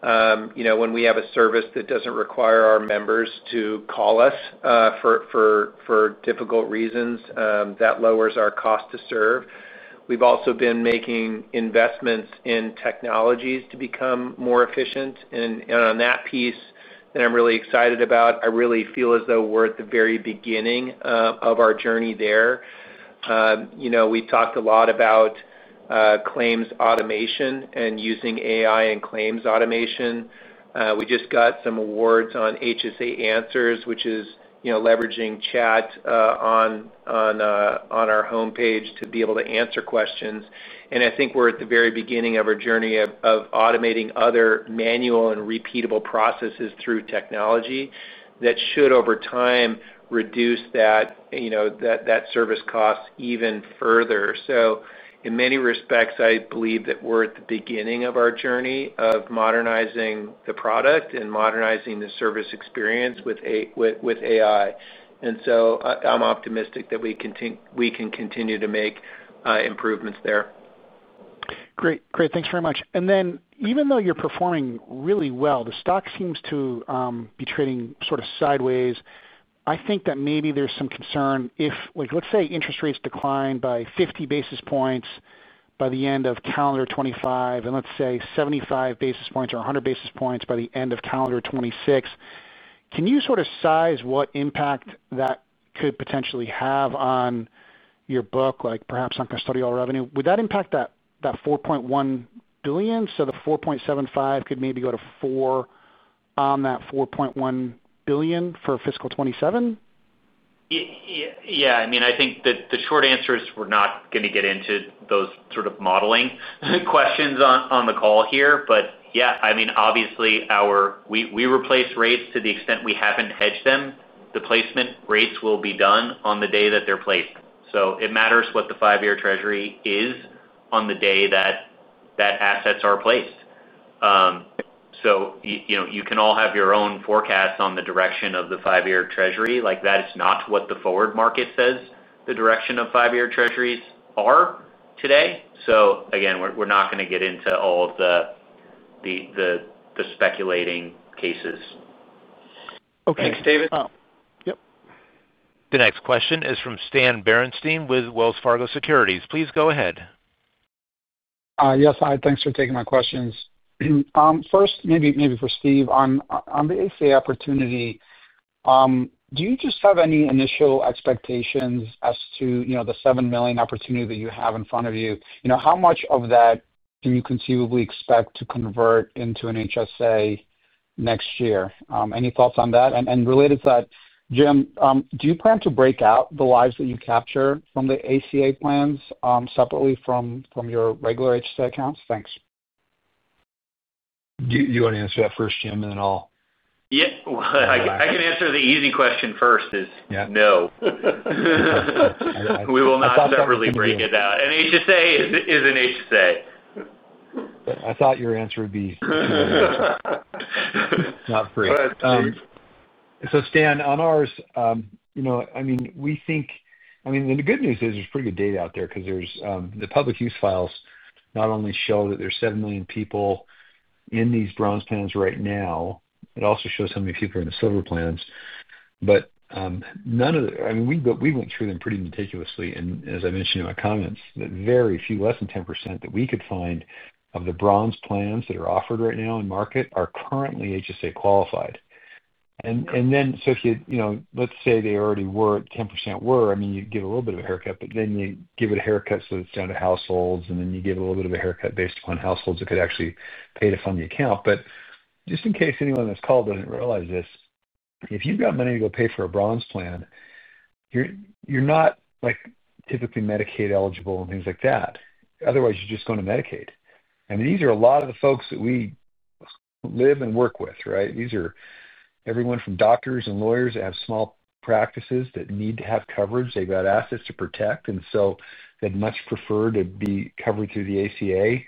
When we have a service that doesn't require our members to call us for difficult reasons, that lowers our cost to serve. We've also been making investments in technologies to become more efficient. On that piece that I'm really excited about, I really feel as though we're at the very beginning of our journey there. We've talked a lot about claims automation and using AI in claims automation. We just got some awards on HSA Answers, which is leveraging chat on our homepage to be able to answer questions. I think we're at the very beginning of our journey of automating other manual and repeatable processes through technology that should, over time, reduce that service cost even further. In many respects, I believe that we're at the beginning of our journey of modernizing the product and modernizing the service experience with AI. I'm optimistic that we can continue to make improvements there. Great. Great. Thanks very much. Even though you're performing really well, the stock seems to be trading sort of sideways. I think that maybe there's some concern if, like, let's say interest rates decline by 50 basis points by the end of calendar 2025 and let's say 75 basis points or 100 basis points by the end of calendar 2026. Can you sort of size what impact that could potentially have on your book, like perhaps on custodial revenue? Would that impact that $4.1 billion? The $4.75 could maybe go to $4 on that $4.1 billion for fiscal 2027? I think that the short answer is we're not going to get into those sort of modeling questions on the call here. Obviously, we replace rates to the extent we haven't hedged them. The placement rates will be done on the day that they're placed. It matters what the five-year Treasury is on the day that assets are placed. You can all have your own forecasts on the direction of the five-year Treasury. That is not what the forward market says the direction of five-year Treasuries are today. We're not going to get into all of the speculating cases. Okay, thanks, David. Yep. The next question is from Stan Berenshteyn with Wells Fargo Securities. Please go ahead. Yes, hi. Thanks for taking my questions. First, maybe for Steve, on the ACA opportunity, do you just have any initial expectations as to, you know, the $7 million opportunity that you have in front of you? How much of that can you conceivably expect to convert into an HSA next year? Any thoughts on that? Related to that, Jim, do you plan to break out the lives that you capture from the ACA plans separately from your regular HSA accounts? Thanks. You want to answer that first, James, and then I'll... Yeah, I can answer the easy question first. No, we will not separately break it out. An HSA is an HSA. I thought your answer would be not free. Stan, on ours, we think, the good news is there's pretty good data out there because the public use files not only show that there's 7 million people in these bronze plans right now, it also shows how many people are in the silver plans. We went through them pretty meticulously. As I mentioned in my comments, very few, less than 10% that we could find of the bronze plans that are offered right now in market are currently HSA qualified. If you, let's say they already were, 10% were, you give a little bit of a haircut, but then you give it a haircut so it's down to households, and then you give a little bit of a haircut based upon households that could actually pay to fund the account. Just in case anyone on this call doesn't realize this, if you've got money to go pay for a bronze plan, you're not typically Medicaid eligible and things like that. Otherwise, you're just going to Medicaid. These are a lot of the folks that we live and work with, right? These are everyone from doctors and lawyers that have small practices that need to have coverage. They've got assets to protect. They'd much prefer to be covered through the ACA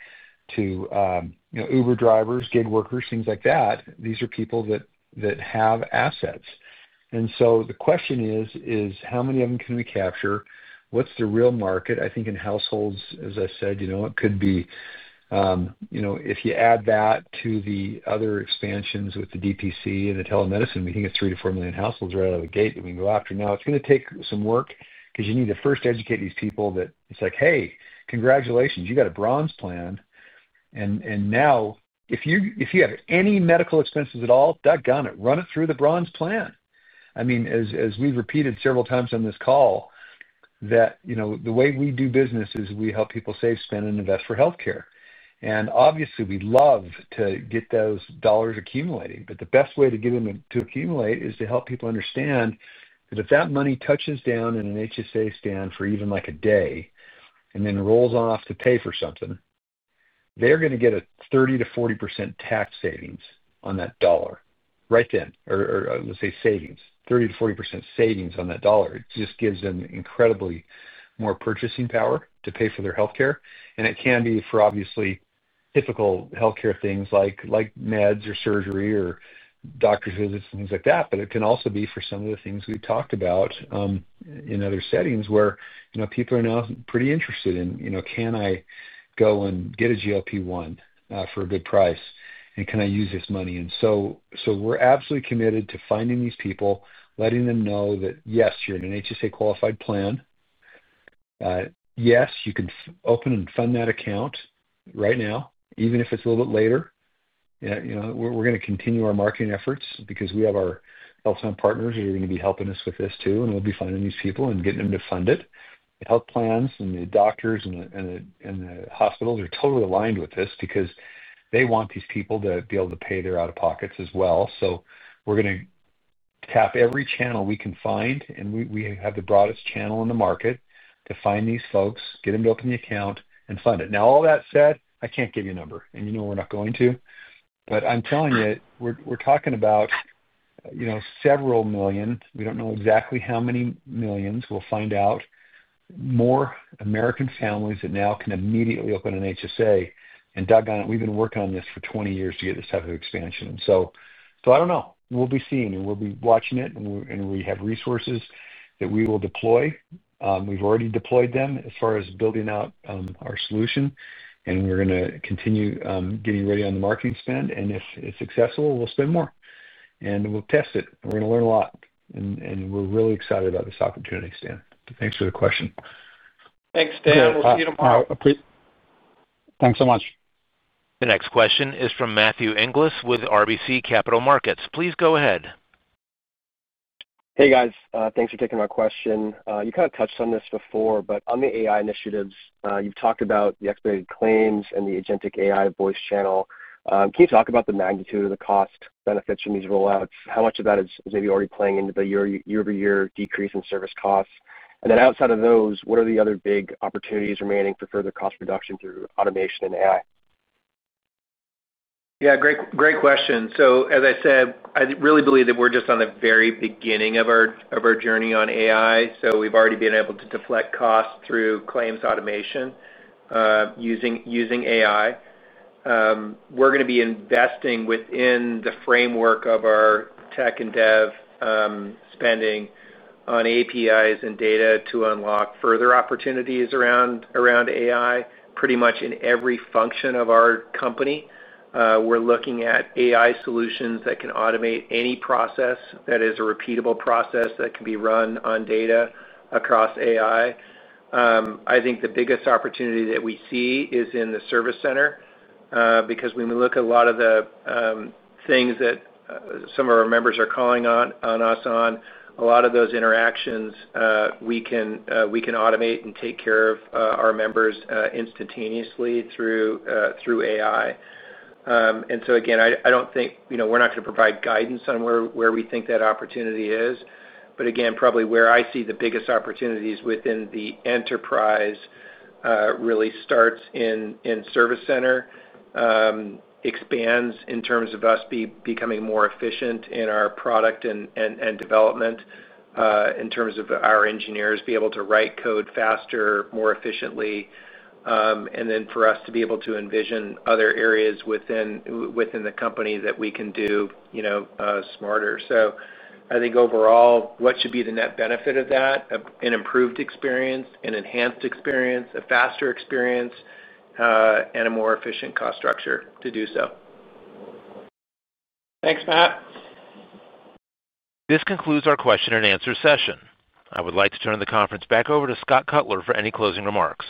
to Uber drivers, gig workers, things like that. These are people that have assets. The question is, how many of them can we capture? What's the real market? I think in households, as I said, it could be, if you add that to the other expansions with the DPC and the telemedicine, we think it's 3 to 4 million households right out of the gate that we can go after. It's going to take some work because you need to first educate these people that it's like, hey, congratulations, you got a bronze plan. If you got any medical expenses at all, duck on it. Run it through the bronze plan. As we've repeated several times on this call, the way we do business is we help people save, spend, and invest for healthcare. Obviously, we'd love to get those dollars accumulating. The best way to get them to accumulate is to help people understand that if that money touches down in an HSA stand for even like a day and then rolls off to pay for something, they're going to get a 30%-40% tax savings on that dollar right then. Or let's say savings, 30%-40% savings on that dollar. It just gives them incredibly more purchasing power to pay for their healthcare. It can be for obviously typical healthcare things like meds or surgery or doctor's visits and things like that. It can also be for some of the things we talked about in other settings where people are now pretty interested in, you know, can I go and get a GLP-1 for a good price? Can I use this money? We are absolutely committed to finding these people, letting them know that yes, you're in an HSA-qualified plan. Yes, you can open and fund that account right now, even if it's a little bit later. We're going to continue our marketing efforts because we have our health plan partners that are going to be helping us with this too. We'll be finding these people and getting them to fund it. Health plans and the doctors and the hospitals are totally aligned with this because they want these people to be able to pay their out-of-pockets as well. We are going to tap every channel we can find. We have the broadest channel in the market to find these folks, get them to open the account and fund it. All that said, I can't give you a number. You know we're not going to. I'm telling you, we're talking about several million. We don't know exactly how many millions. We'll find out more American families that now can immediately open an HSA. Doug, we've been working on this for 20 years to get this type of expansion. I don't know. We'll be seeing and we'll be watching it. We have resources that we will deploy. We've already deployed them as far as building out our solution. We're going to continue getting ready on the marketing spend. If it's successful, we'll spend more. We'll test it. We're going to learn a lot. We're really excited about this opportunity, Stan. Thanks for the question. Thanks, Dan. We'll see you tomorrow. Thanks so much. The next question is from Matthew Inglis with RBC Capital Markets. Please go ahead. Hey guys, thanks for taking my question. You kind of touched on this before, but on the AI initiatives, you've talked about the expedited claims and the agentic AI voice channel. Can you talk about the magnitude of the cost benefits from these rollouts? How much of that is maybe already playing into the year-over-year decrease in service costs? Outside of those, what are the other big opportunities remaining for further cost reduction through automation and AI? Yeah, great question. As I said, I really believe that we're just at the very beginning of our journey on AI. We've already been able to deflect costs through claims automation using AI. We're going to be investing within the framework of our tech and development spending on APIs and data to unlock further opportunities around AI pretty much in every function of our company. We're looking at AI solutions that can automate any process that is a repeatable process that can be run on data across AI. I think the biggest opportunity that we see is in the service center because when we look at a lot of the things that some of our members are calling on us on, a lot of those interactions we can automate and take care of our members instantaneously through AI. I don't think we're going to provide guidance on where we think that opportunity is. Probably where I see the biggest opportunities within the enterprise really starts in the service center, expands in terms of us becoming more efficient in our product and development in terms of our engineers being able to write code faster, more efficiently, and then for us to be able to envision other areas within the company that we can do smarter. I think overall, what should be the net benefit of that? An improved experience, an enhanced experience, a faster experience, and a more efficient cost structure to do so. Thanks, Matt. This concludes our question and answer session. I would like to turn the conference back over to Scott Cutler for any closing remarks.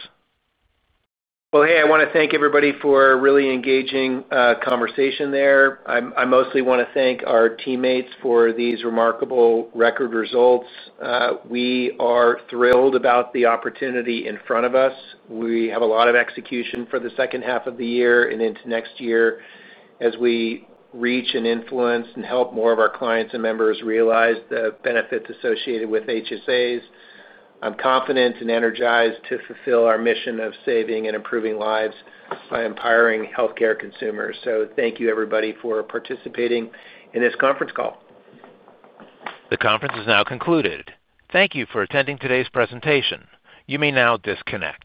I want to thank everybody for a really engaging conversation there. I mostly want to thank our teammates for these remarkable record results. We are thrilled about the opportunity in front of us. We have a lot of execution for the second half of the year and into next year as we reach and influence and help more of our clients and members realize the benefits associated with HSAs. I'm confident and energized to fulfill our mission of saving and improving lives by empowering healthcare consumers. Thank you, everybody, for participating in this conference call. The conference is now concluded. Thank you for attending today's presentation. You may now disconnect.